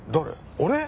俺！？